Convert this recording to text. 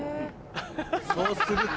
そうすると」。